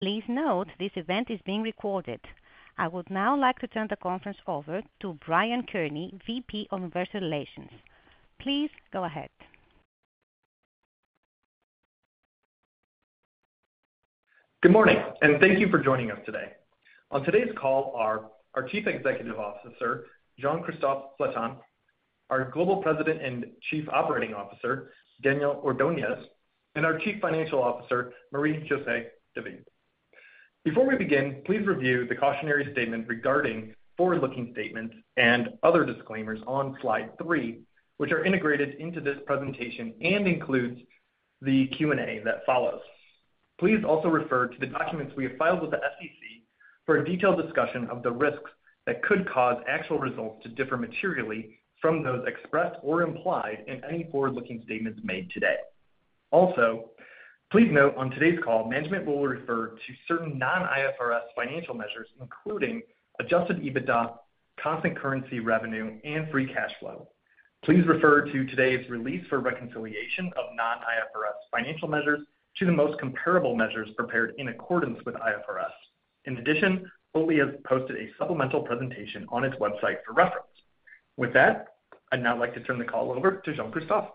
Please note this event is being recorded. I would now like to turn the conference over to Brian Kearney, VP of Investor Relations. Please go ahead. Good morning, and thank you for joining us today. On today's call are our Chief Executive Officer, Jean-Christophe Flatin, our Global President and Chief Operating Officer, Daniel Ordoñez, and our Chief Financial Officer, Marie-José David. Before we begin, please review the cautionary statement regarding forward-looking statements and other disclaimers on slide three, which are integrated into this presentation and includes the Q&A that follows. Please also refer to the documents we have filed with the SEC for a detailed discussion of the risks that could cause actual results to differ materially from those expressed or implied in any forward-looking statements made today. Also, please note on today's call, management will refer to certain non-IFRS financial measures, including adjusted EBITDA, constant currency revenue, and free cash flow. Please refer to today's release for reconciliation of non-IFRS financial measures to the most comparable measures prepared in accordance with IFRS. In addition, Oatly has posted a supplemental presentation on its website for reference. With that, I'd now like to turn the call over to Jean-Christophe.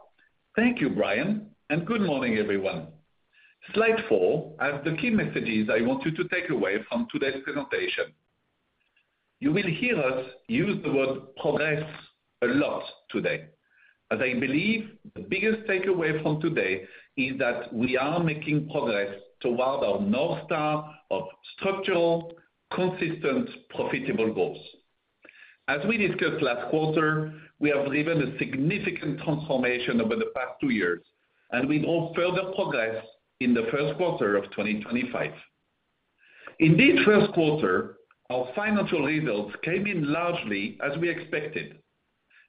Thank you, Brian, and good morning, everyone. Slide four has the key messages I want you to take away from today's presentation. You will hear us use the word progress a lot today, as I believe the biggest takeaway from today is that we are making progress toward our North Star of structural, consistent, profitable goals. As we discussed last quarter, we have driven a significant transformation over the past two years, and we brought further progress in the first quarter of 2025. In this first quarter, our financial results came in largely as we expected,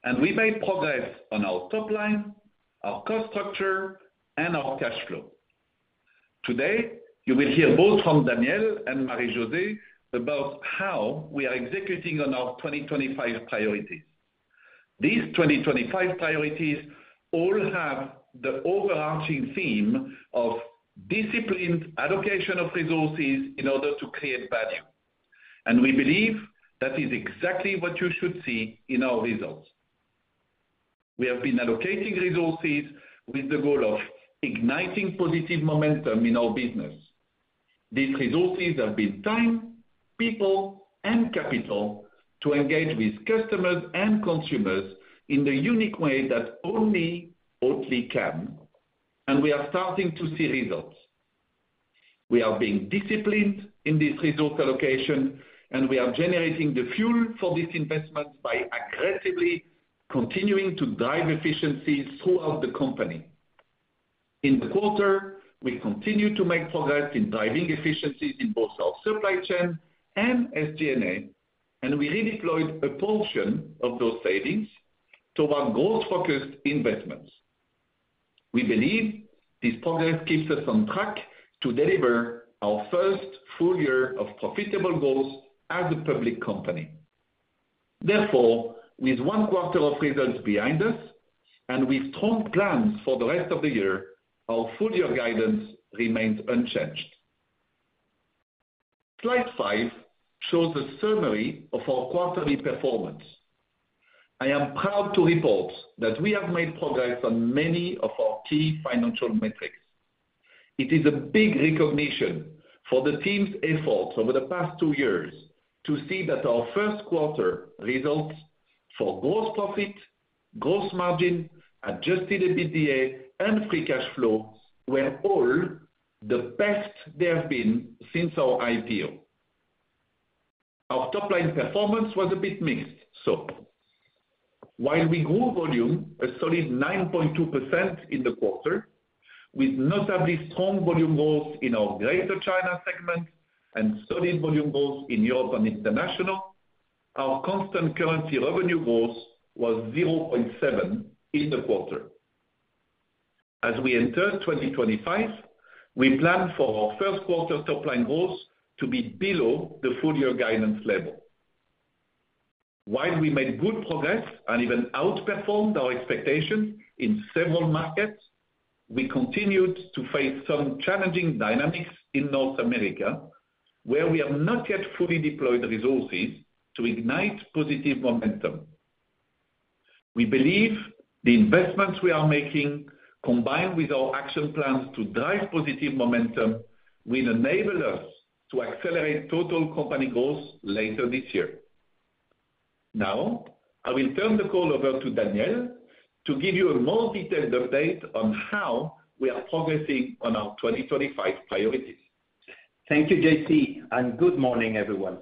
and we made progress on our top line, our cost structure, and our cash flow. Today, you will hear both from Daniel and Marie-José about how we are executing on our 2025 priorities. These 2025 priorities all have the overarching theme of disciplined allocation of resources in order to create value, and we believe that is exactly what you should see in our results. We have been allocating resources with the goal of igniting positive momentum in our business. These resources have been time, people, and capital to engage with customers and consumers in the unique way that only Oatly can, and we are starting to see results. We are being disciplined in this resource allocation, and we are generating the fuel for these investments by aggressively continuing to drive efficiencies throughout the company. In the quarter, we continue to make progress in driving efficiencies in both our supply chain and SG&A, and we redeployed a portion of those savings toward growth-focused investments. We believe this progress keeps us on track to deliver our first full year of profitable goals as a public company. Therefore, with one quarter of results behind us and with strong plans for the rest of the year, our full-year guidance remains unchanged. Slide five shows a summary of our quarterly performance. I am proud to report that we have made progress on many of our key financial metrics. It is a big recognition for the team's efforts over the past two years to see that our first quarter results for gross profit, gross margin, adjusted EBITDA, and free cash flow were all the best they have been since our IPO. Our top-line performance was a bit mixed, so while we grew volume a solid 9.2% in the quarter, with notably strong volume growth in our Greater China segment and solid volume growth in Europe and International, our constant currency revenue growth was 0.7% in the quarter. As we enter 2025, we plan for our first quarter top-line growth to be below the full-year guidance level. While we made good progress and even outperformed our expectations in several markets, we continued to face some challenging dynamics in North America, where we have not yet fully deployed resources to ignite positive momentum. We believe the investments we are making, combined with our action plans to drive positive momentum, will enable us to accelerate total company growth later this year. Now, I will turn the call over to Daniel to give you a more detailed update on how we are progressing on our 2025 priorities. Thank you, JC, and good morning, everyone.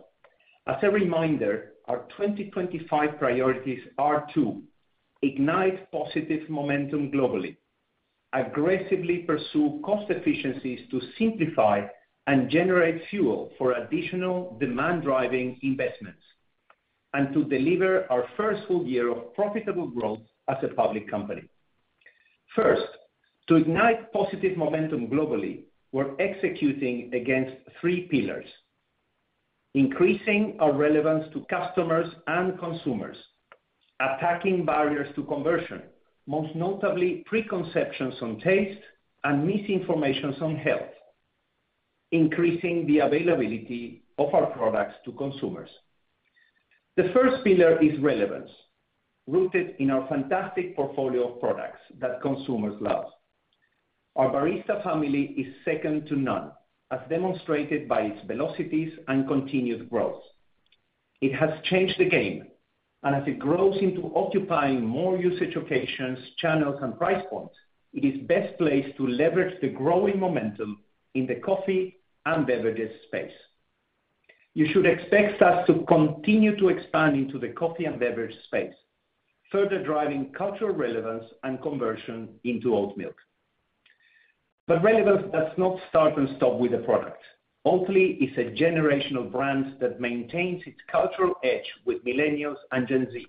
As a reminder, our 2025 priorities are to: ignite positive momentum globally, aggressively pursue cost efficiencies to simplify and generate fuel for additional demand-driving investments, and to deliver our first full year of profitable growth as a public company. First, to ignite positive momentum globally, we're executing against three pillars: increasing our relevance to customers and consumers, attacking barriers to conversion, most notably preconceptions on taste and misinformation on health, and increasing the availability of our products to consumers. The first pillar is relevance, rooted in our fantastic portfolio of products that consumers love. Our Barista family is second to none, as demonstrated by its velocities and continued growth. It has changed the game, and as it grows into occupying more usage occasions, channels, and price points, it is best placed to leverage the growing momentum in the coffee and beverages space. You should expect us to continue to expand into the coffee and beverage space, further driving cultural relevance and conversion into oat milk. Relevance does not start and stop with the product. Oatly is a generational brand that maintains its cultural edge with millennials and Gen Z,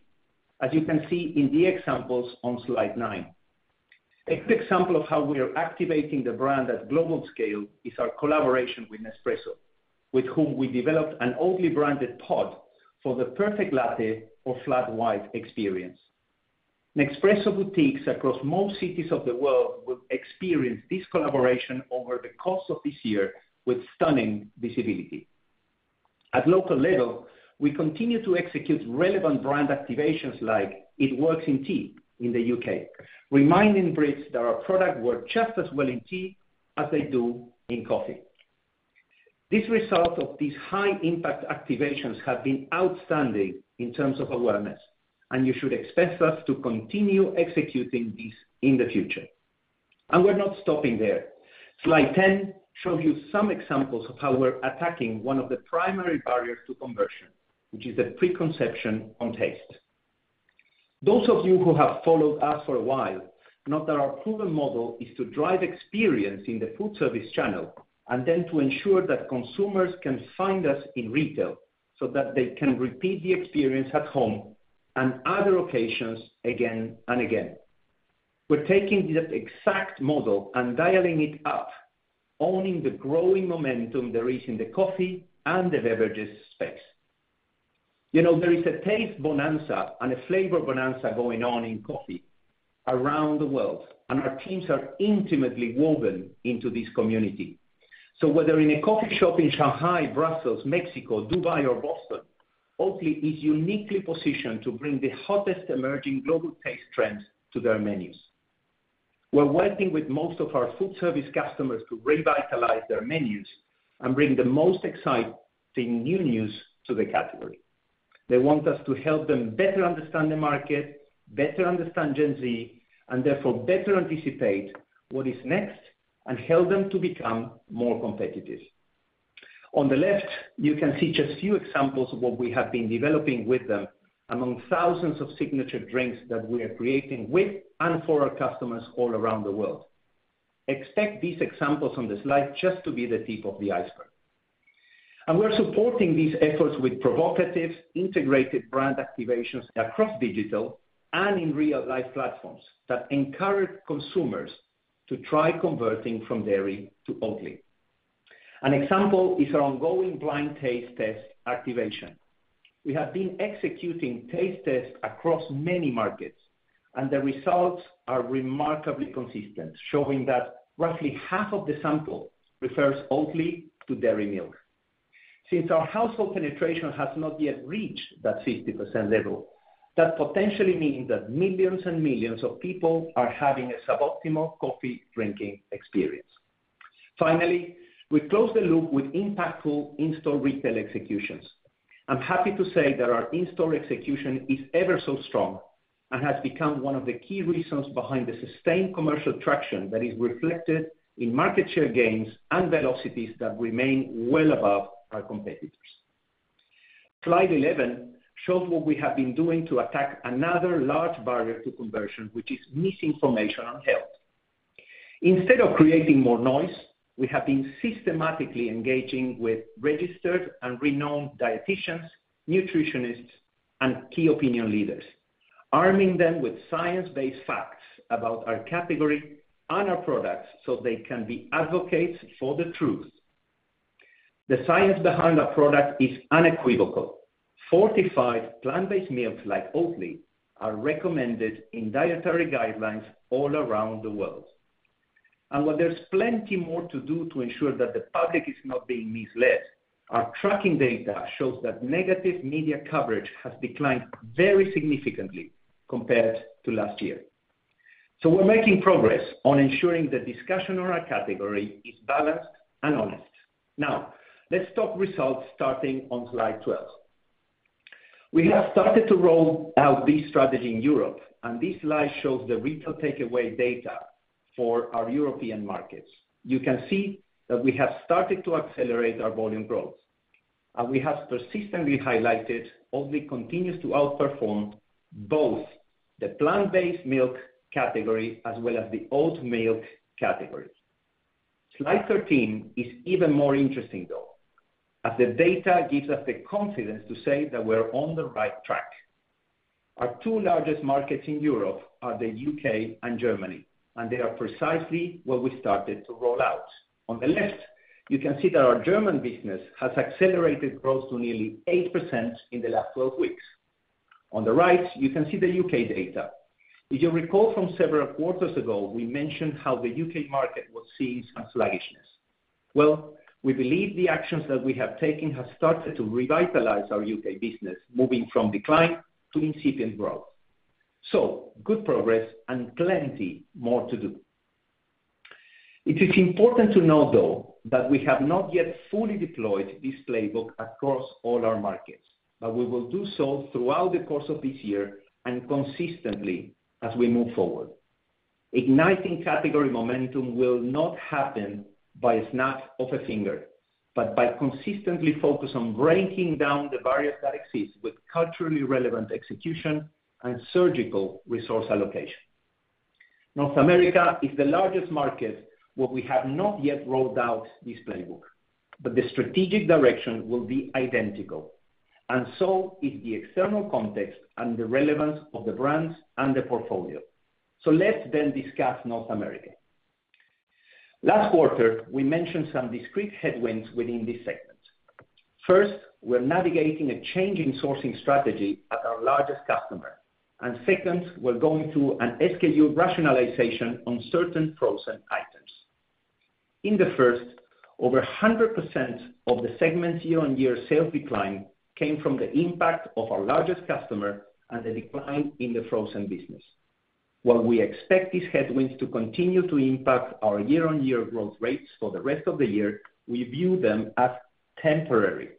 as you can see in the examples on slide nine. A good example of how we are activating the brand at global scale is our collaboration with Nespresso, with whom we developed an Oatly-branded pod for the perfect latte or flat white experience. Nespresso boutiques across most cities of the world will experience this collaboration over the course of this year with stunning visibility. At local level, we continue to execute relevant brand activations like It Works in Tea in the U.K., reminding Brits that our products work just as well in tea as they do in coffee. The results of these high-impact activations have been outstanding in terms of awareness, and you should expect us to continue executing this in the future. We are not stopping there. Slide 10 shows you some examples of how we are attacking one of the primary barriers to conversion, which is the preconception on taste. Those of you who have followed us for a while know that our proven model is to drive experience in the food service channel and then to ensure that consumers can find us in retail so that they can repeat the experience at home and other occasions again and again. We are taking this exact model and dialing it up, owning the growing momentum there is in the coffee and the beverages space. You know, there is a taste bonanza and a flavor bonanza going on in coffee around the world, and our teams are intimately woven into this community. Whether in a coffee shop in Shanghai, Brussels, Mexico, Dubai, or Boston, Oatly is uniquely positioned to bring the hottest emerging global taste trends to their menus. We are working with most of our food service customers to revitalize their menus and bring the most exciting new news to the category. They want us to help them better understand the market, better understand Gen Z, and therefore better anticipate what is next and help them to become more competitive. On the left, you can see just a few examples of what we have been developing with them among thousands of signature drinks that we are creating with and for our customers all around the world. Expect these examples on the slide just to be the tip of the iceberg. We are supporting these efforts with provocative, integrated brand activations across digital and in real-life platforms that encourage consumers to try converting from dairy to Oatly. An example is our ongoing blind taste test activation. We have been executing taste tests across many markets, and the results are remarkably consistent, showing that roughly half of the sample prefers Oatly to dairy milk. Since our household penetration has not yet reached that 50% level, that potentially means that millions and millions of people are having a suboptimal coffee-drinking experience. Finally, we close the loop with impactful in-store retail executions. I'm happy to say that our in-store execution is ever so strong and has become one of the key reasons behind the sustained commercial traction that is reflected in market share gains and velocities that remain well above our competitors. Slide 11 shows what we have been doing to attack another large barrier to conversion, which is misinformation on health. Instead of creating more noise, we have been systematically engaging with registered and renowned dietitians, nutritionists, and key opinion leaders, arming them with science-based facts about our category and our products so they can be advocates for the truth. The science behind our product is unequivocal. Fortified plant-based milks like Oatly are recommended in dietary guidelines all around the world. While there's plenty more to do to ensure that the public is not being misled, our tracking data shows that negative media coverage has declined very significantly compared to last year. We're making progress on ensuring the discussion on our category is balanced and honest. Now, let's talk results starting on slide 12. We have started to roll out this strategy in Europe, and this slide shows the retail takeaway data for our European markets. You can see that we have started to accelerate our volume growth, and we have persistently highlighted Oatly continues to outperform both the plant-based milk category as well as the oat milk category. Slide 13 is even more interesting, though, as the data gives us the confidence to say that we're on the right track. Our two largest markets in Europe are the U.K. and Germany, and they are precisely what we started to roll out. On the left, you can see that our German business has accelerated growth to nearly 8% in the last 12 weeks. On the right, you can see the U.K. data. If you recall from several quarters ago, we mentioned how the U.K. market was seeing some sluggishness. We believe the actions that we have taken have started to revitalize our U.K. business, moving from decline to incipient growth. Good progress and plenty more to do. It is important to note, though, that we have not yet fully deployed this playbook across all our markets, but we will do so throughout the course of this year and consistently as we move forward. Igniting category momentum will not happen by a snap of a finger, but by consistently focusing on breaking down the barriers that exist with culturally relevant execution and surgical resource allocation. North America is the largest market where we have not yet rolled out this playbook, but the strategic direction will be identical, and so is the external context and the relevance of the brands and the portfolio. Let's then discuss North America. Last quarter, we mentioned some discreet headwinds within this segment. First, we're navigating a changing sourcing strategy at our largest customer. Second, we're going through an SKU rationalization on certain frozen items. In the first, over 100% of the segment's year-on-year sales decline came from the impact of our largest customer and the decline in the frozen business. While we expect these headwinds to continue to impact our year-on-year growth rates for the rest of the year, we view them as temporary.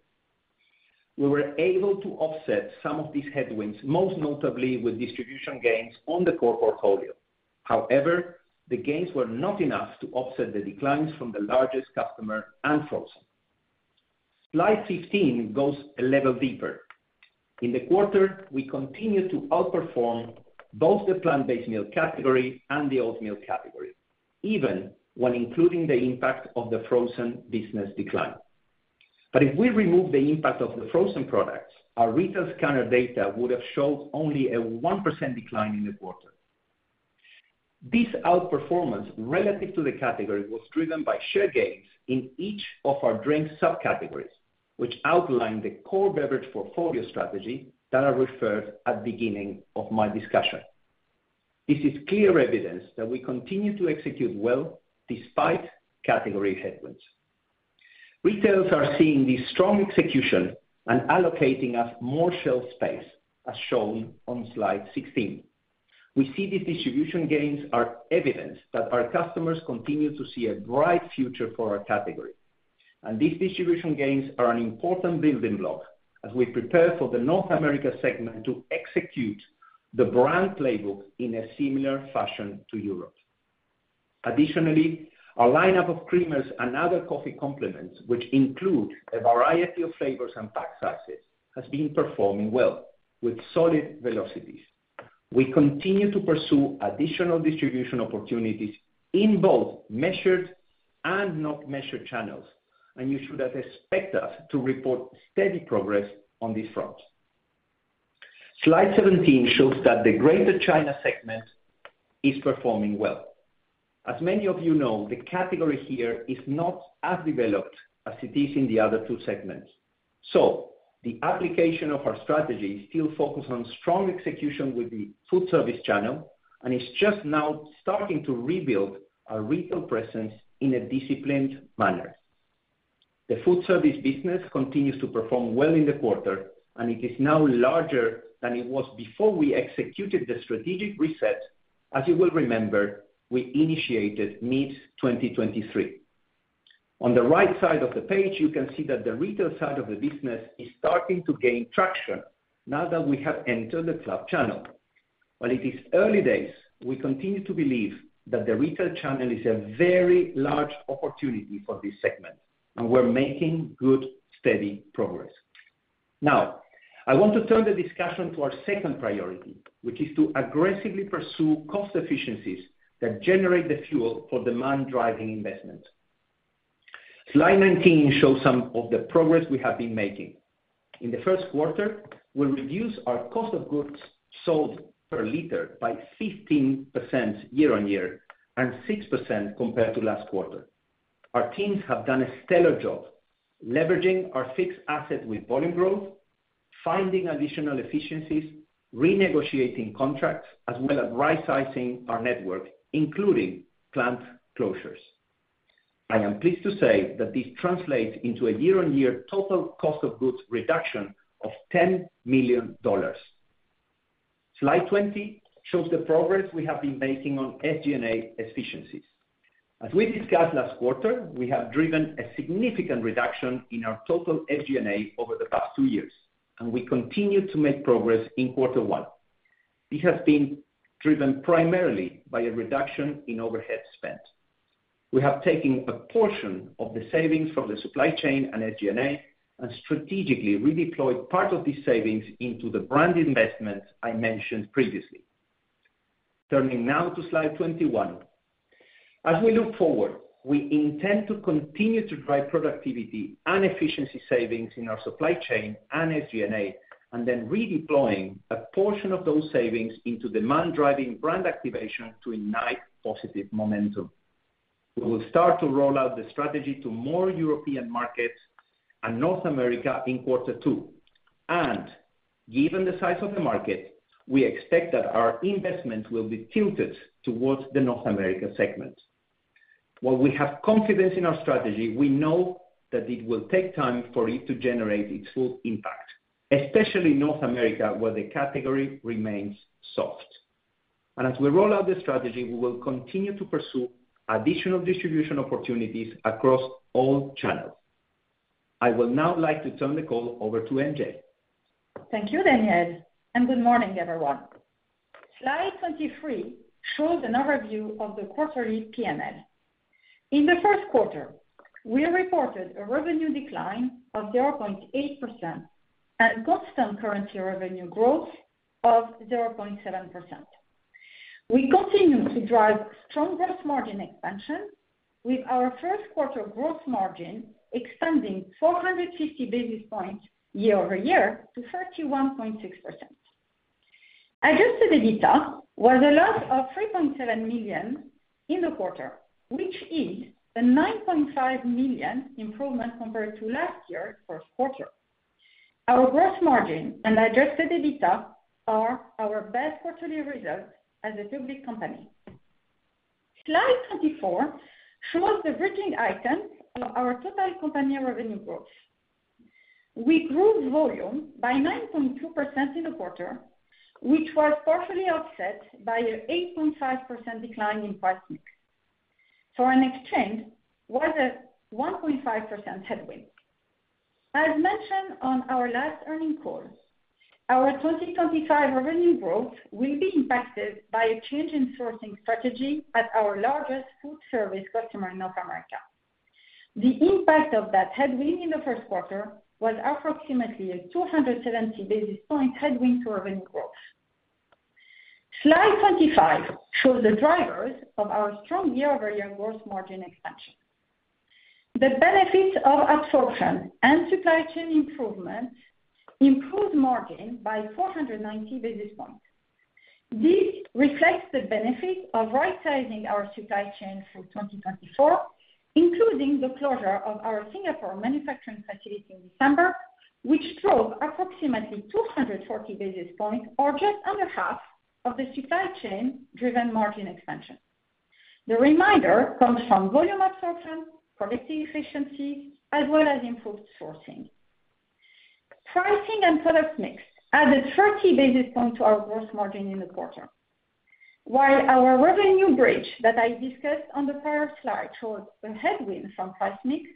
We were able to offset some of these headwinds, most notably with distribution gains on the core portfolio. However, the gains were not enough to offset the declines from the largest customer and frozen. Slide 15 goes a level deeper. In the quarter, we continue to outperform both the plant-based milk category and the oat milk category, even when including the impact of the frozen business decline. If we remove the impact of the frozen products, our retail scanner data would have showed only a 1% decline in the quarter. This outperformance relative to the category was driven by share gains in each of our drink subcategories, which outlined the core beverage portfolio strategy that I referred to at the beginning of my discussion. This is clear evidence that we continue to execute well despite category headwinds. Retailers are seeing this strong execution and allocating us more shelf space, as shown on slide 16. We see these distribution gains are evidence that our customers continue to see a bright future for our category. These distribution gains are an important building block as we prepare for the North America segment to execute the brand playbook in a similar fashion to Europe. Additionally, our lineup of creamers and other coffee complements, which include a variety of flavors and pack sizes, has been performing well with solid velocities. We continue to pursue additional distribution opportunities in both measured and not measured channels, and you should expect us to report steady progress on this front. Slide 17 shows that the Greater China segment is performing well. As many of you know, the category here is not as developed as it is in the other two segments. The application of our strategy still focuses on strong execution with the food service channel and is just now starting to rebuild our retail presence in a disciplined manner. The food service business continues to perform well in the quarter, and it is now larger than it was before we executed the strategic reset, as you will remember, we initiated mid-2023. On the right side of the page, you can see that the retail side of the business is starting to gain traction now that we have entered the club channel. While it is early days, we continue to believe that the retail channel is a very large opportunity for this segment, and we're making good, steady progress. Now, I want to turn the discussion to our second priority, which is to aggressively pursue cost efficiencies that generate the fuel for demand-driving investments. Slide 19 shows some of the progress we have been making. In the first quarter, we reduced our cost of goods sold per liter by 15% year-on-year and 6% compared to last quarter. Our teams have done a stellar job leveraging our fixed asset with volume growth, finding additional efficiencies, renegotiating contracts, as well as right-sizing our network, including plant closures. I am pleased to say that this translates into a year-on-year total cost of goods reduction of $10 million. Slide 20 shows the progress we have been making on SG&A efficiencies. As we discussed last quarter, we have driven a significant reduction in our total SG&A over the past two years, and we continue to make progress in quarter one. This has been driven primarily by a reduction in overhead spent. We have taken a portion of the savings from the supply chain and SG&A and strategically redeployed part of these savings into the brand investments I mentioned previously. Turning now to slide 21. As we look forward, we intend to continue to drive productivity and efficiency savings in our supply chain and SG&A, and then redeploying a portion of those savings into demand-driving brand activation to ignite positive momentum. We will start to roll out the strategy to more European markets and North America in quarter two. Given the size of the market, we expect that our investment will be tilted towards the North America segment. While we have confidence in our strategy, we know that it will take time for it to generate its full impact, especially North America, where the category remains soft. As we roll out the strategy, we will continue to pursue additional distribution opportunities across all channels. I would now like to turn the call over to MJ. Thank you, Daniel. Good morning, everyone. Slide 23 shows an overview of the quarterly P&L. In the first quarter, we reported a revenue decline of 0.8% and constant currency revenue growth of 0.7%. We continue to drive strong gross margin expansion, with our first quarter gross margin expanding 450 basis points year-over-year to 31.6%. Adjusted EBITDA was a loss of $3.7 million in the quarter, which is a $9.5 million improvement compared to last year's first quarter. Our gross margin and adjusted EBITDA are our best quarterly results as a public company. Slide 24 shows the bridging items of our total company revenue growth. We grew volume by 9.2% in the quarter, which was partially offset by an 8.5% decline in price mix. Foreign exchange was a 1.5% headwind. As mentioned on our last earnings call, our 2025 revenue growth will be impacted by a change in sourcing strategy at our largest food service customer in North America. The impact of that headwind in the first quarter was approximately a 270 basis point headwind to revenue growth. Slide 25 shows the drivers of our strong year-over-year gross margin expansion. The benefits of absorption and supply chain improvements improved margin by 490 basis points. This reflects the benefit of right-sizing our supply chain for 2024, including the closure of our Singapore manufacturing facility in December, which drove approximately 240 basis points, or just under half, of the supply chain-driven margin expansion. The reminder comes from volume absorption, productive efficiency, as well as improved sourcing. Pricing and product mix added 30 basis points to our gross margin in the quarter. While our revenue bridge that I discussed on the prior slide shows a headwind from price mix,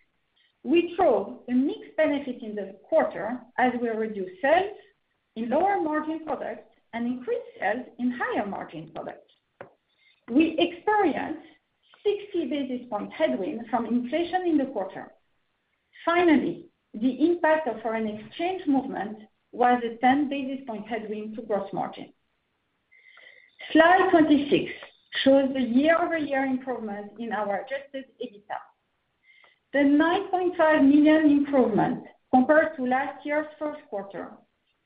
we drove a mix benefit in the quarter as we reduced sales in lower margin products and increased sales in higher margin products. We experienced a 60 basis point headwind from inflation in the quarter. Finally, the impact of our exchange movement was a 10 basis point headwind to gross margin. Slide 26 shows the year-over-year improvement in our adjusted EBITDA. The $9.5 million improvement compared to last year's first quarter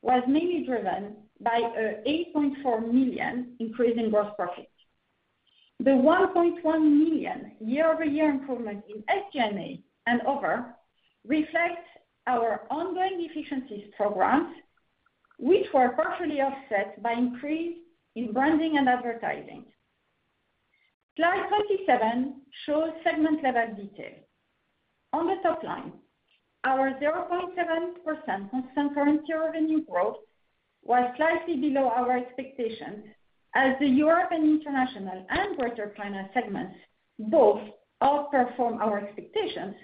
was mainly driven by an $8.4 million increase in gross profit. The $1.1 million year-over-year improvement in SG&A and other reflects our ongoing efficiency programs, which were partially offset by increase in branding and advertising. Slide 27 shows segment-level detail. On the top line, our 0.7% constant currency revenue growth was slightly below our expectations as the Europe and International and Greater China segments both outperformed our expectations,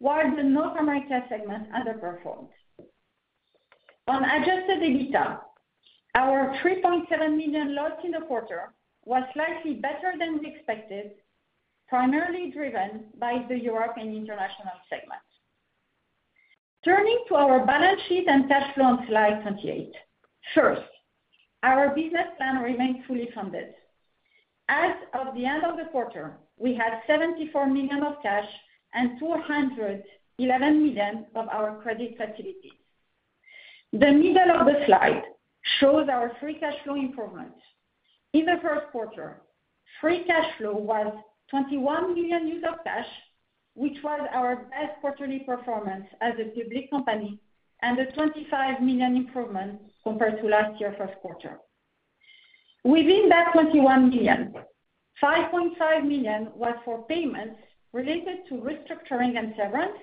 while the North America segment underperformed. On adjusted EBITDA, our $3.7 million loss in the quarter was slightly better than we expected, primarily driven by the Europe and international segment. Turning to our balance sheet and cash flow on slide 28. First, our business plan remained fully funded. As of the end of the quarter, we had $74 million of cash and $211 million of our credit facilities. The middle of the slide shows our free cash flow improvement. In the first quarter, free cash flow was $21 million used of cash, which was our best quarterly performance as a public company, and a $25 million improvement compared to last year's first quarter. Within that $21 million, $5.5 million was for payments related to restructuring and severance,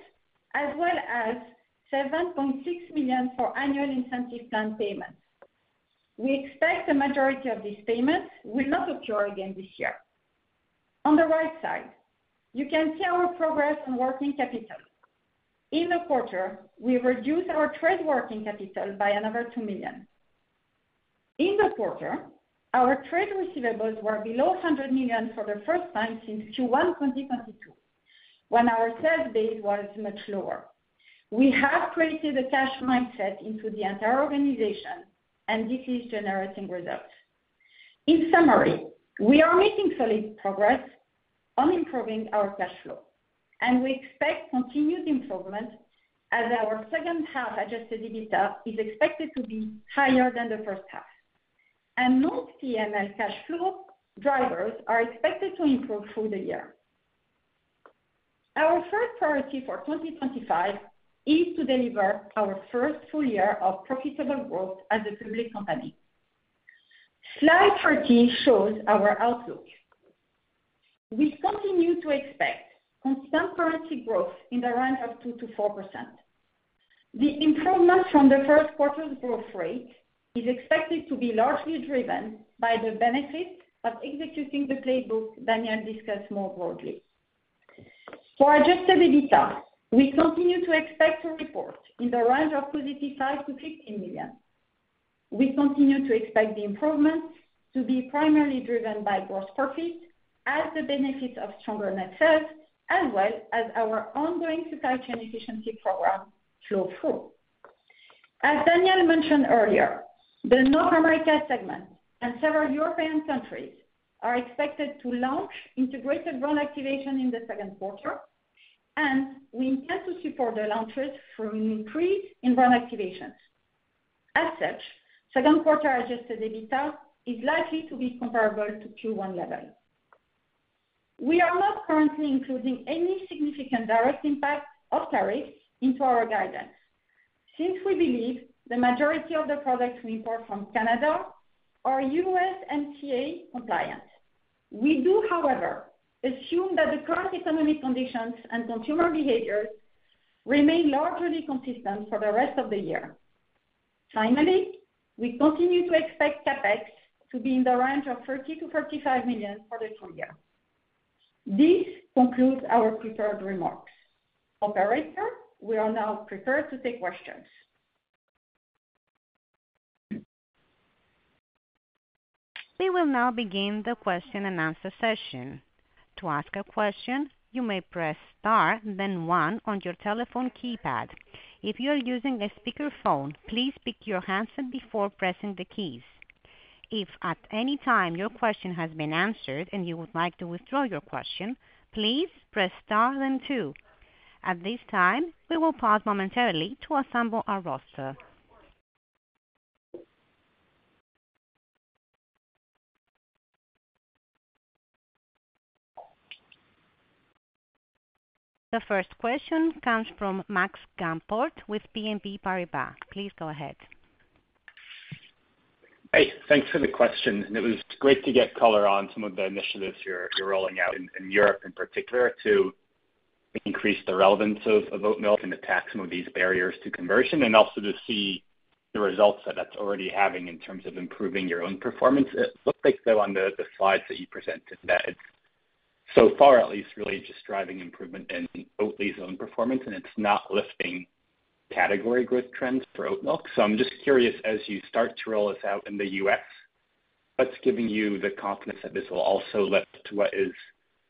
as well as $7.6 million for annual incentive plan payments. We expect the majority of these payments will not occur again this year. On the right side, you can see our progress on working capital. In the quarter, we reduced our trade working capital by another $2 million. In the quarter, our trade receivables were below $100 million for the first time since Q1 2022, when our sales base was much lower. We have created a cash mindset into the entire organization, and this is generating results. In summary, we are making solid progress on improving our cash flow, and we expect continued improvement as our second half adjusted EBITDA is expected to be higher than the first half. Most P&L cash flow drivers are expected to improve through the year. Our first priority for 2025 is to deliver our first full year of profitable growth as a public company. Slide 30 shows our outlook. We continue to expect constant currency growth in the range of 2%-4%. The improvement from the first quarter's growth rate is expected to be largely driven by the benefit of executing the playbook Daniel discussed more broadly. For adjusted EBITDA, we continue to expect to report in the range of positive $5 million-$15 million. We continue to expect the improvements to be primarily driven by gross profit as the benefits of stronger net sales, as well as our ongoing supply chain efficiency program, flow through. As Daniel mentioned earlier, the North America segment and several European countries are expected to launch integrated brand activation in the second quarter, and we intend to support the launches through an increase in brand activation. As such, second quarter adjusted EBITDA is likely to be comparable to Q1 level. We are not currently including any significant direct impact of tariffs into our guidance since we believe the majority of the products we import from Canada are USMCA compliant. We do, however, assume that the current economic conditions and consumer behaviors remain largely consistent for the rest of the year. Finally, we continue to expect CapEx to be in the range of $30 million-$35 million for the full year. This concludes our prepared remarks. Operator, we are now prepared to take questions. We will now begin the question and answer session. To ask a question, you may press Star, then 1 on your telephone keypad. If you are using a speakerphone, please pick your hands up before pressing the keys. If at any time your question has been answered and you would like to withdraw your question, please press Star, then 2. At this time, we will pause momentarily to assemble our roster. The first question comes from Max Gumport with BNP Paribas. Please go ahead. Hey, thanks for the question. It was great to get color on some of the initiatives you're rolling out in Europe in particular to increase the relevance of oat milk and attack some of these barriers to conversion, and also to see the results that that's already having in terms of improving your own performance. It looks like, though, on the slides that you presented that it's, so far at least, really just driving improvement in Oatly's own performance, and it's not lifting category growth trends for oat milk. I am just curious, as you start to roll this out in the U.S., what's giving you the confidence that this will also lift what is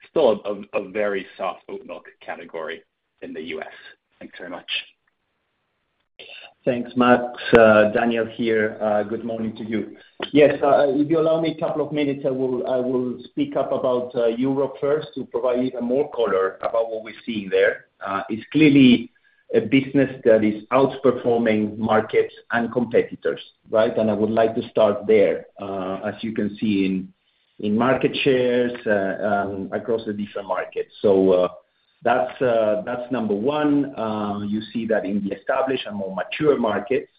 still a very soft oat milk category in the U.S.? Thanks very much. Thanks, Max. Daniel here. Good morning to you. Yes, if you allow me a couple of minutes, I will speak up about Europe first to provide you more color about what we're seeing there. It's clearly a business that is outperforming markets and competitors, right? I would like to start there, as you can see in market shares across the different markets. That's number one. You see that in the established and more mature markets.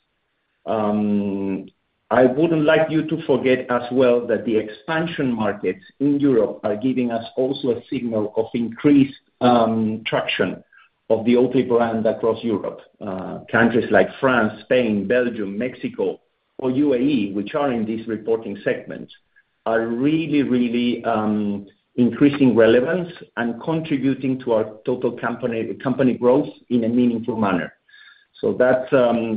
I wouldn't like you to forget as well that the expansion markets in Europe are giving us also a signal of increased traction of the Oatly brand across Europe. Countries like France, Spain, Belgium, Mexico, or UAE, which are in these reporting segments, are really, really increasing relevance and contributing to our total company growth in a meaningful manner. That's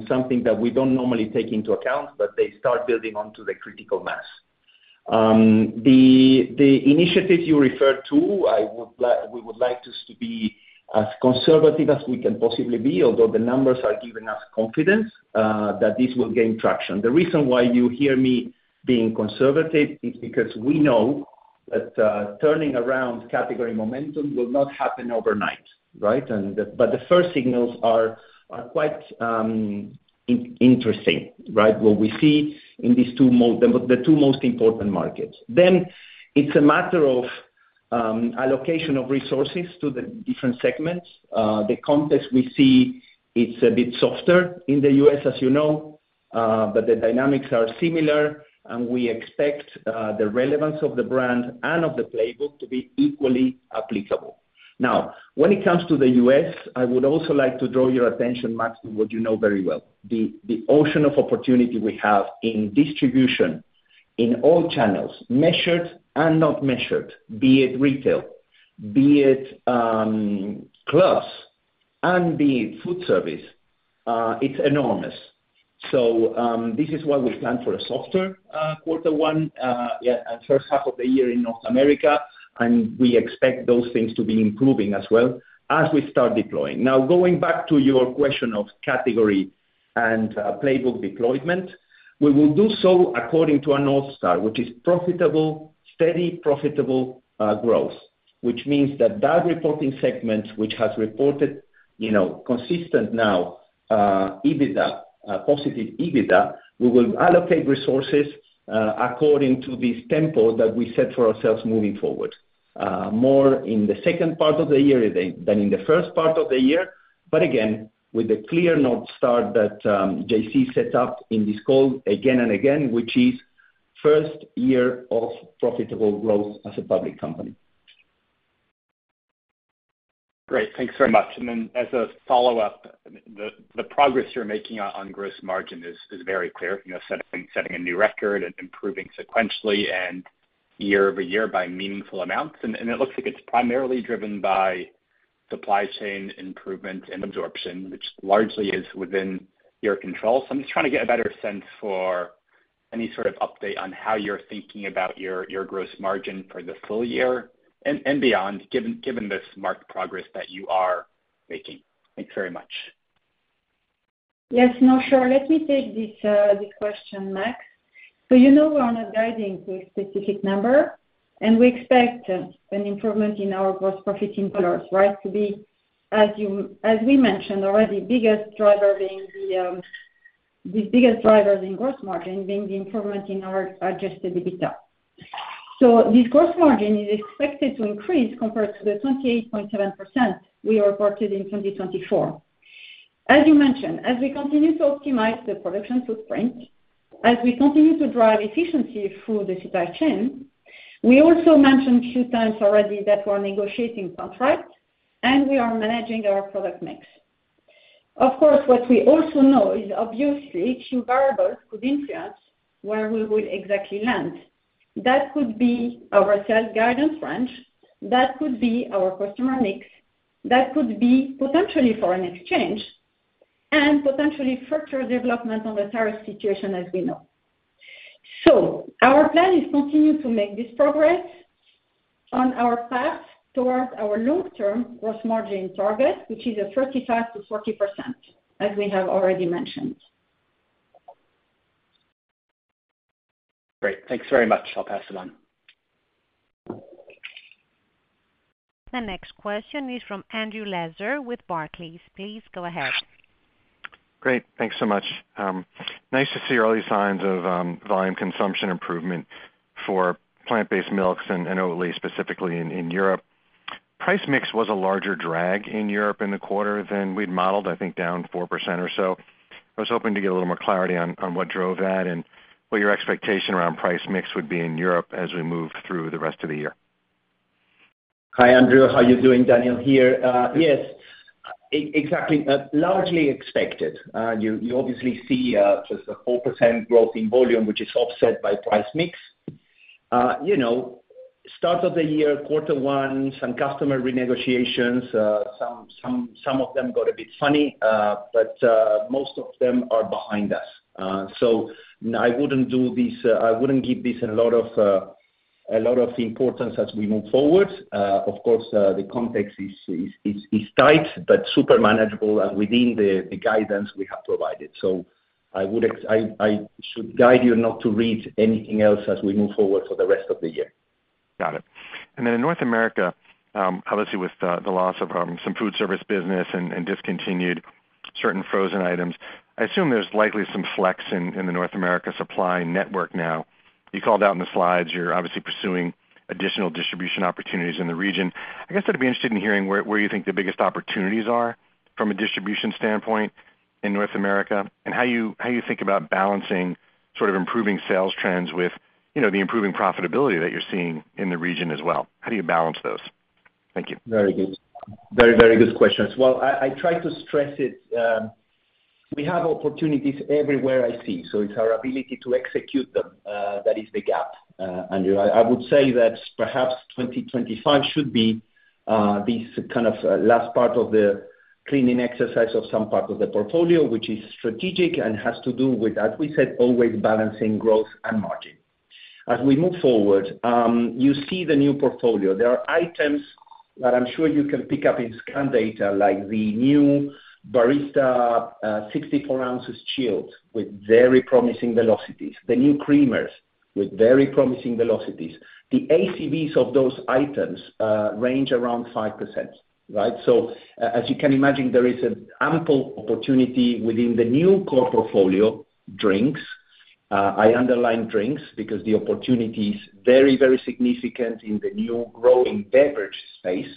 something that we don't normally take into account, but they start building onto the critical mass. The initiatives you referred to, we would like us to be as conservative as we can possibly be, although the numbers are giving us confidence that this will gain traction. The reason why you hear me being conservative is because we know that turning around category momentum will not happen overnight, right? The first signals are quite interesting, right? What we see in the two most important markets. It is a matter of allocation of resources to the different segments. The context we see, it is a bit softer in the U.S., as you know, but the dynamics are similar, and we expect the relevance of the brand and of the playbook to be equally applicable. Now, when it comes to the U.S., I would also like to draw your attention, Max, to what you know very well. The ocean of opportunity we have in distribution in all channels, measured and not measured, be it retail, be it clubs, and be it food service, is enormous. This is what we plan for a softer quarter one and first half of the year in North America, and we expect those things to be improving as we start deploying. Now, going back to your question of category and playbook deployment, we will do so according to a North Star, which is profitable, steady, profitable growth, which means that that reporting segment, which has reported consistent now positive EBITDA, we will allocate resources according to this tempo that we set for ourselves moving forward, more in the second part of the year than in the first part of the year, again, with the clear North Star that JC set up in this call again and again, which is first year of profitable growth as a public company. Great. Thanks very much. As a follow-up, the progress you're making on gross margin is very clear, setting a new record and improving sequentially and year over year by meaningful amounts. It looks like it's primarily driven by supply chain improvement and absorption, which largely is within your control. I'm just trying to get a better sense for any sort of update on how you're thinking about your gross margin for the full year and beyond, given this marked progress that you are making. Thanks very much. Yes, Nosher, let me take this question, Max. You know we're not guiding to a specific number, and we expect an improvement in our gross profit in dollars, right, to be, as we mentioned already, the biggest driver in gross margin being the improvement in our adjusted EBITDA. This gross margin is expected to increase compared to the 28.7% we reported in 2024. As you mentioned, as we continue to optimize the production footprint, as we continue to drive efficiency through the supply chain, we also mentioned a few times already that we're negotiating contracts, and we are managing our product mix. Of course, what we also know is obviously a few variables could influence where we will exactly land. That could be our sales guidance range. That could be our customer mix. That could be potentially foreign exchange and potentially further development on the tariff situation as we know. Our plan is to continue to make this progress on our path towards our long-term gross margin target, which is 35%-40%, as we have already mentioned. Great. Thanks very much. I'll pass it on. The next question is from Andrew Lazar with Barclays. Please go ahead. Great. Thanks so much. Nice to see early signs of volume consumption improvement for plant-based milks and Oatly, specifically in Europe. Price mix was a larger drag in Europe in the quarter than we'd modeled, I think, down 4% or so. I was hoping to get a little more clarity on what drove that and what your expectation around price mix would be in Europe as we move through the rest of the year. Hi, Andrew. How are you doing? Daniel here. Yes, exactly. Largely expected. You obviously see just a 4% growth in volume, which is offset by price mix. Start of the year, quarter one, some customer renegotiations, some of them got a bit funny, but most of them are behind us. I would not do this; I would not give this a lot of importance as we move forward. Of course, the context is tight, but super manageable and within the guidance we have provided. I should guide you not to read anything else as we move forward for the rest of the year. Got it. In North America, obviously with the loss of some food service business and discontinued certain frozen items, I assume there's likely some flex in the North America supply network now. You called out in the slides you're obviously pursuing additional distribution opportunities in the region. I guess I'd be interested in hearing where you think the biggest opportunities are from a distribution standpoint in North America and how you think about balancing sort of improving sales trends with the improving profitability that you're seeing in the region as well. How do you balance those? Thank you. Very good. Very, very good questions. I try to stress it. We have opportunities everywhere I see. So it's our ability to execute them that is the gap, Andrew. I would say that perhaps 2025 should be this kind of last part of the cleaning exercise of some part of the portfolio, which is strategic and has to do with, as we said, always balancing growth and margin. As we move forward, you see the new portfolio. There are items that I'm sure you can pick up in scan data, like the new Barista 64-ounce chilled with very promising velocities, the new creamers with very promising velocities. The ACVs of those items range around 5%, right? As you can imagine, there is an ample opportunity within the new core portfolio, drinks. I underline drinks because the opportunity is very, very significant in the new growing beverage space.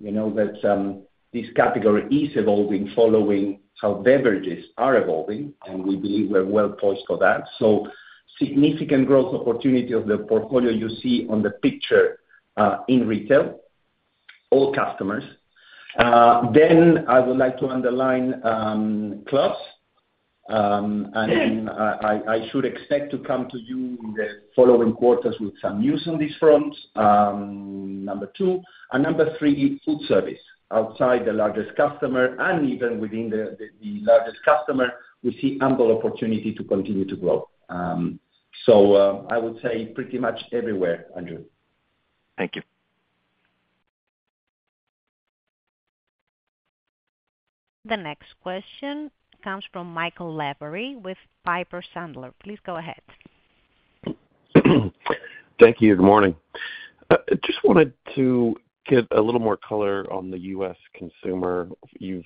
You know that this category is evolving following how beverages are evolving, and we believe we're well poised for that. Significant growth opportunity of the portfolio you see on the picture in retail, all customers. I would like to underline clubs. I should expect to come to you in the following quarters with some news on this front. Number two. Number three, food service. Outside the largest customer and even within the largest customer, we see ample opportunity to continue to grow. I would say pretty much everywhere, Andrew. Thank you. The next question comes from Michael Lavery with Piper Sandler. Please go ahead. Thank you. Good morning. I just wanted to get a little more color on the U.S. consumer. You've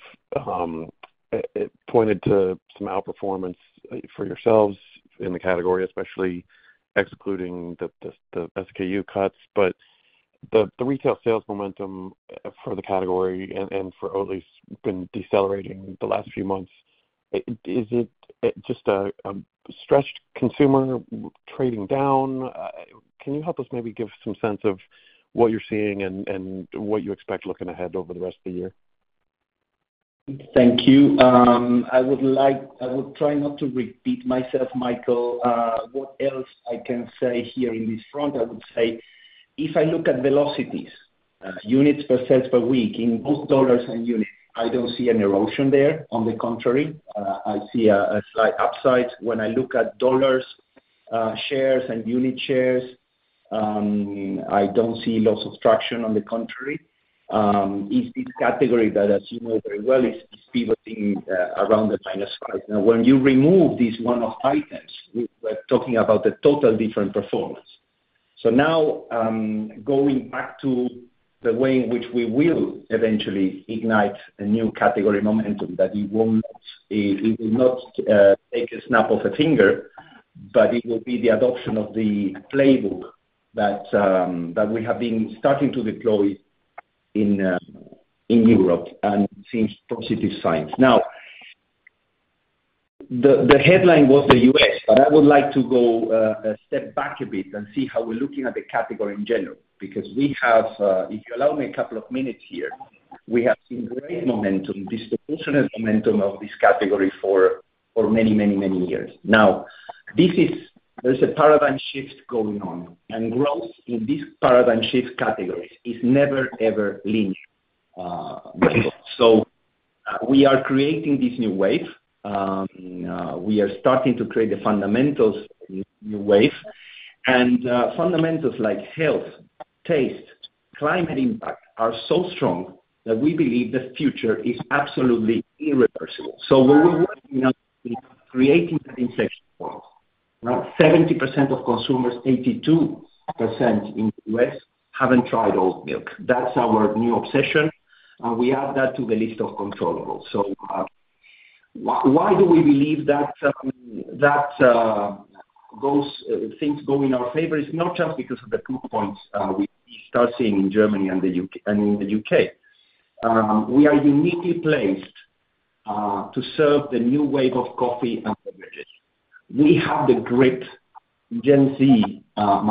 pointed to some outperformance for yourselves in the category, especially excluding the SKU cuts, but the retail sales momentum for the category and for Oatly's has been decelerating the last few months. Is it just a stretched consumer trading down? Can you help us maybe give some sense of what you're seeing and what you expect looking ahead over the rest of the year? Thank you. I would try not to repeat myself, Michael. What else I can say here in this front? I would say if I look at velocities, units per sales per week in both dollars and units, I don't see an erosion there. On the contrary, I see a slight upside. When I look at dollars shares and unit shares, I don't see loss of traction. On the contrary, it's this category that, as you know very well, is pivoting around the minus 5%. Now, when you remove these one-off items, we're talking about a total different performance. Now, going back to the way in which we will eventually ignite a new category momentum, that will not take a snap of a finger, but it will be the adoption of the playbook that we have been starting to deploy in Europe and seeing positive signs. The headline was the U.S., but I would like to go a step back a bit and see how we're looking at the category in general because we have, if you allow me a couple of minutes here, we have seen great momentum, disproportionate momentum of this category for many, many, many years. Now, there's a paradigm shift going on, and growth in this paradigm shift category is never, ever linear. We are creating this new wave. We are starting to create the fundamentals of this new wave. Fundamentals like health, taste, climate impact are so strong that we believe the future is absolutely irreversible. What we are working on is creating that inflection point. Now, 70% of consumers, 82% in the U.S., have not tried oat milk. That is our new obsession. We add that to the list of controllable. Why do we believe that things go in our favor? It is not just because of the two points we start seeing in Germany and in the U.K. We are uniquely placed to serve the new wave of coffee and beverages. We have the grit Gen Z. I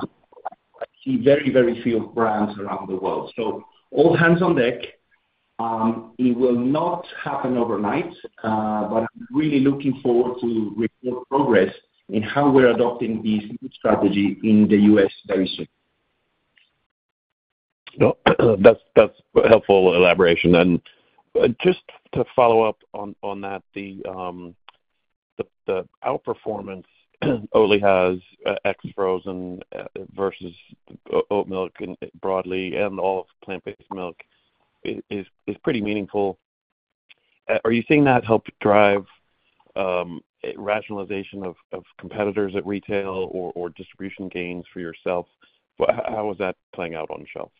see very, very few brands around the world. All hands on deck. It will not happen overnight, but I am really looking forward to report progress in how we are adopting this new strategy in the U.S. very soon. That is helpful elaboration. Just to follow up on that, the outperformance Oatly has ex-frozen versus oat milk broadly and all plant-based milk is pretty meaningful. Are you seeing that help drive rationalization of competitors at retail or distribution gains for yourself? How is that playing out on shelf?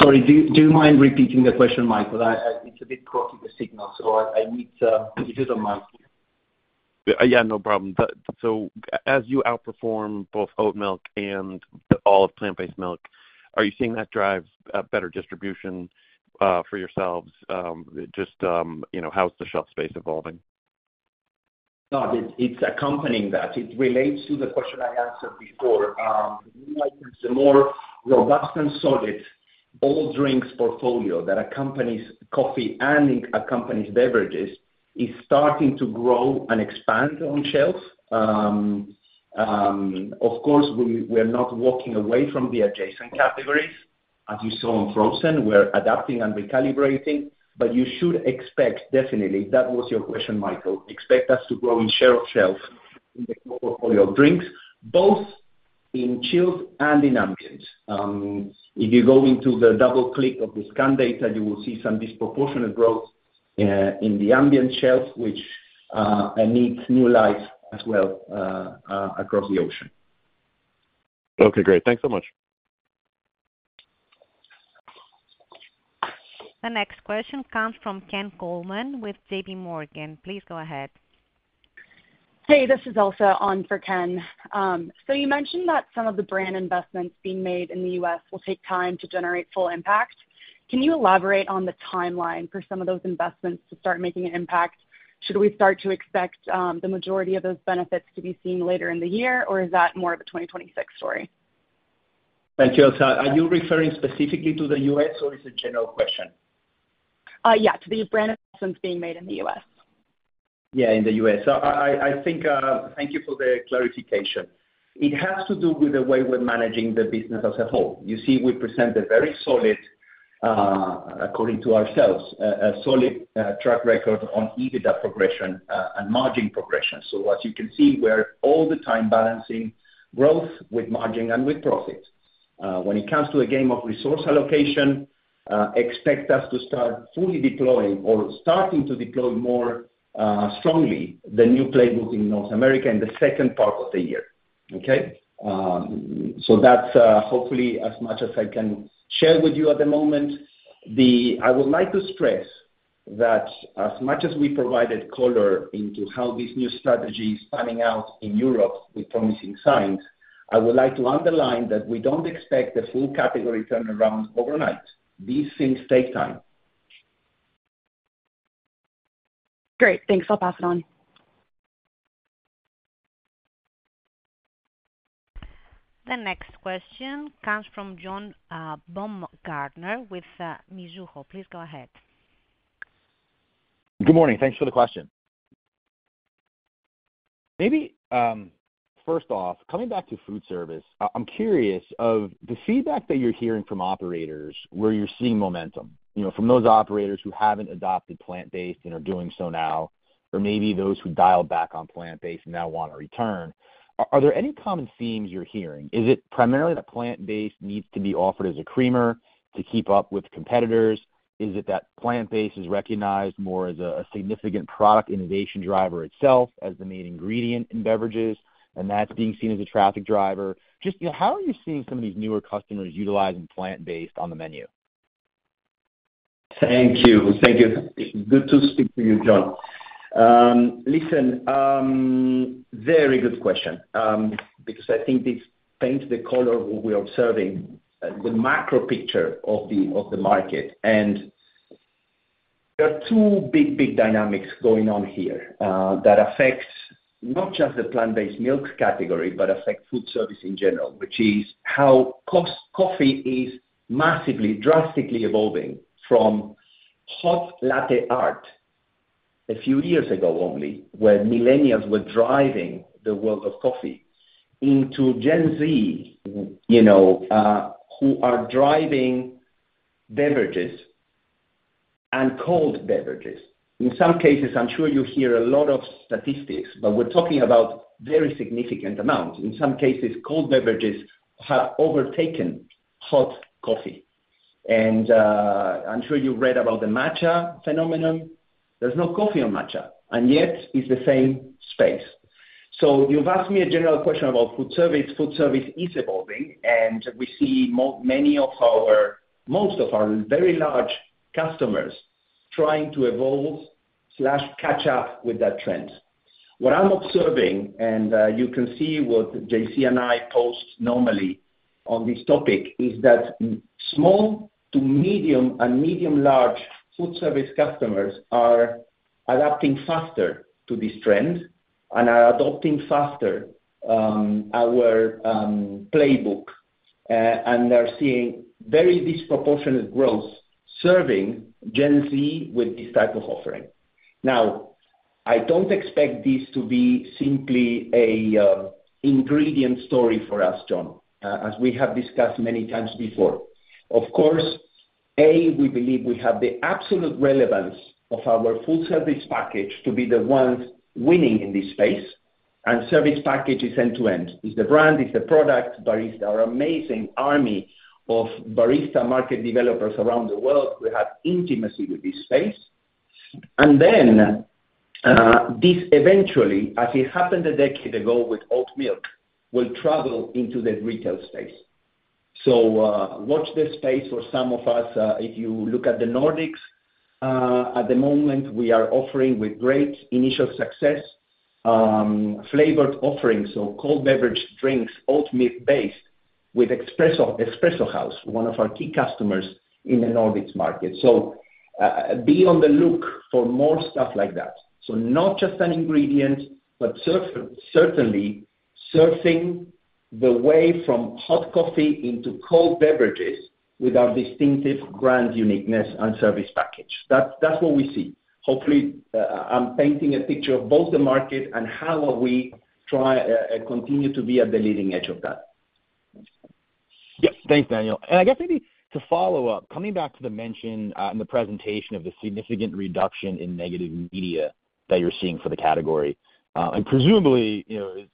Sorry, do you mind repeating the question, Michael? It is a bit clocking the signal, so I need to put it on mute. Yeah, no problem. As you outperform both oat milk and all plant-based milk, are you seeing that drive better distribution for yourselves? Just how is the shelf space evolving? It is accompanying that. It relates to the question I answered before. The more robust and solid all drinks portfolio that accompanies coffee and accompanies beverages is starting to grow and expand on shelf. Of course, we are not walking away from the adjacent categories, as you saw in frozen. We're adapting and recalibrating, but you should expect, definitely, if that was your question, Michael, expect us to grow in share of shelf in the portfolio of drinks, both in chilled and in ambient. If you go into the double click of the scan data, you will see some disproportionate growth in the ambient shelf, which needs new life as well across the ocean. Okay, great. Thanks so much. The next question comes from Ken Coleman with JP Morgan. Please go ahead. Hey, this is Elsa on for Ken. So you mentioned that some of the brand investments being made in the U.S. will take time to generate full impact. Can you elaborate on the timeline for some of those investments to start making an impact? Should we start to expect the majority of those benefits to be seen later in the year, or is that more of a 2026 story? Thank you, Elsa. Are you referring specifically to the U.S., or is it a general question? Yeah, to the brand investments being made in the U.S. Yeah, in the U.S. I think thank you for the clarification. It has to do with the way we're managing the business as a whole. You see, we present a very solid, according to ourselves, a solid track record on EBITDA progression and margin progression. As you can see, we're all the time balancing growth with margin and with profit. When it comes to the game of resource allocation, expect us to start fully deploying or starting to deploy more strongly the new playbook in North America in the second part of the year. Okay? That's hopefully as much as I can share with you at the moment. I would like to stress that as much as we provided color into how this new strategy is panning out in Europe with promising signs, I would like to underline that we do not expect the full category turnaround overnight. These things take time. Great. Thanks. I'll pass it on. The next question comes from John Baumgartner with Mizuho. Please go ahead. Good morning. Thanks for the question. Maybe first off, coming back to food service, I'm curious of the feedback that you're hearing from operators where you're seeing momentum from those operators who have not adopted plant-based and are doing so now, or maybe those who dialed back on plant-based and now want to return. Are there any common themes you're hearing? Is it primarily that plant-based needs to be offered as a creamer to keep up with competitors? Is it that plant-based is recognized more as a significant product innovation driver itself as the main ingredient in beverages, and that's being seen as a traffic driver? Just how are you seeing some of these newer customers utilizing plant-based on the menu? Thank you. Thank you. Good to speak to you, John. Listen, very good question because I think this paints the color we are observing, the macro picture of the market. There are two big, big dynamics going on here that affect not just the plant-based milks category, but affect food service in general, which is how coffee is massively, drastically evolving from hot latte art a few years ago only, where millennials were driving the world of coffee, into Gen Z who are driving beverages and cold beverages. In some cases, I'm sure you hear a lot of statistics, but we're talking about very significant amounts. In some cases, cold beverages have overtaken hot coffee. I'm sure you've read about the matcha phenomenon. There's no coffee on matcha, and yet it's the same space. You asked me a general question about food service. Food service is evolving, and we see many of our, most of our very large customers trying to evolve or catch up with that trend. What I'm observing, and you can see what JC and I post normally on this topic, is that small to medium and medium-large food service customers are adapting faster to this trend and are adopting faster our playbook, and they're seeing very disproportionate growth serving Gen Z with this type of offering. Now, I don't expect this to be simply an ingredient story for us, John, as we have discussed many times before. Of course, A, we believe we have the absolute relevance of our full service package to be the ones winning in this space, and service package is end-to-end. It's the brand, it's the product. There is our amazing army of barista market developers around the world who have intimacy with this space. This eventually, as it happened a decade ago with oat milk, will travel into the retail space. Watch this space for some of us. If you look at the Nordics, at the moment, we are offering with great initial success flavored offerings, cold beverage drinks, oat milk-based with Espresso House, one of our key customers in the Nordics market. Be on the look for more stuff like that. Not just an ingredient, but certainly surfing the wave from hot coffee into cold beverages with our distinctive brand uniqueness and service package. That is what we see. Hopefully, I am painting a picture of both the market and how we try and continue to be at the leading edge of that. Yep. Thanks, Daniel. I guess maybe to follow up, coming back to the mention and the presentation of the significant reduction in negative media that you are seeing for the category. Presumably,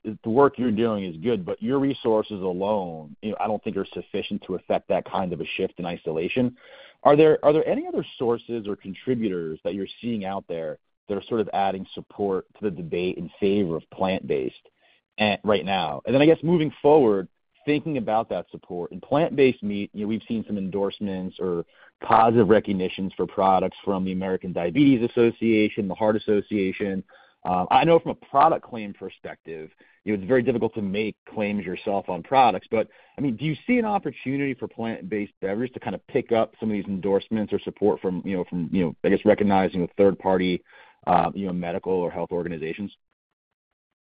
the work you are doing is good, but your resources alone, I do not think are sufficient to affect that kind of a shift in isolation. Are there any other sources or contributors that you are seeing out there that are sort of adding support to the debate in favor of plant-based right now? I guess moving forward, thinking about that support in plant-based meat, we've seen some endorsements or positive recognitions for products from the American Diabetes Association, the Heart Association. I know from a product claim perspective, it's very difficult to make claims yourself on products, but I mean, do you see an opportunity for plant-based beverages to kind of pick up some of these endorsements or support from, I guess, recognizing third-party medical or health organizations?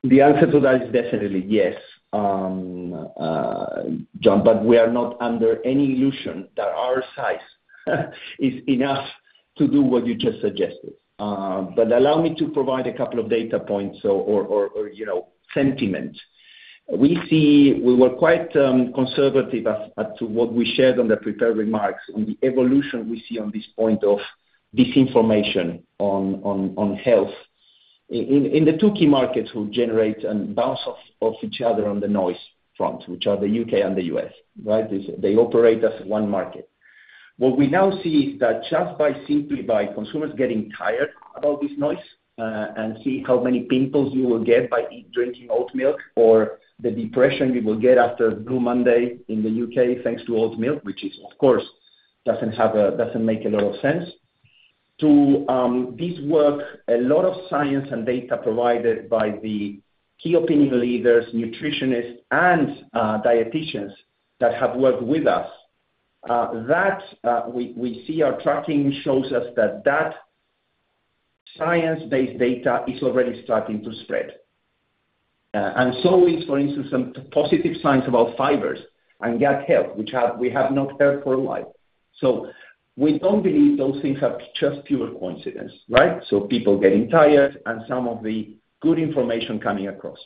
The answer to that is definitely yes, John, but we are not under any illusion that our size is enough to do what you just suggested. Allow me to provide a couple of data points or sentiments. We were quite conservative as to what we shared on the prepared remarks on the evolution we see on this point of disinformation on health in the two key markets who generate a bounce off each other on the noise front, which are the U.K. and the U.S., right? They operate as one market. What we now see is that just simply by consumers getting tired about this noise and see how many pimples you will get by drinking oat milk or the depression you will get after Blue Monday in the U.K. thanks to oat milk, which, of course, does not make a lot of sense. To this work, a lot of science and data provided by the key opinion leaders, nutritionists, and dietitians that have worked with us, that we see our tracking shows us that that science-based data is already starting to spread. For instance, some positive science about fibers and gut health, which we have not heard for a while. We do not believe those things are just pure coincidence, right? People getting tired and some of the good information coming across.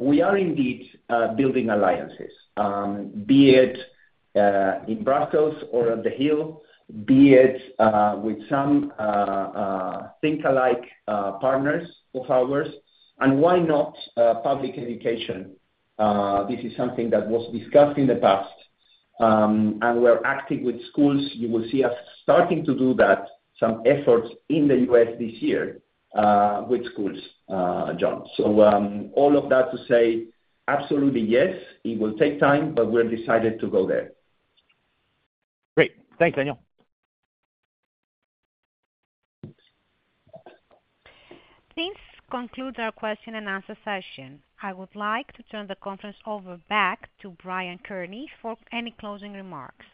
We are indeed building alliances, be it in Brussels or at the Hill, be it with some think-alike partners of ours. Why not public education? This is something that was discussed in the past, and we are active with schools. You will see us starting to do that, some efforts in the U.S. this year with schools, John. All of that to say, absolutely yes. It will take time, but we are decided to go there. Great. Thanks, Daniel. This concludes our question and answer session. I would like to turn the conference over back to Brian Kearney for any closing remarks.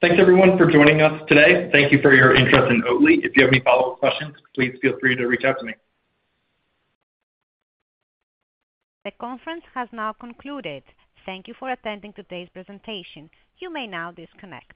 Thanks, everyone, for joining us today. Thank you for your interest in Oatly. If you have any follow-up questions, please feel free to reach out to me. The conference has now concluded. Thank you for attending today's presentation. You may now disconnect.